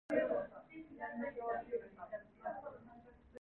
영신을 일으켜 세우고 잡아다리며 떠다밀며 학원으로 올라갔다.